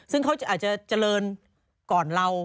ซึ่งเขาอาจจะเจริญก่อนเรา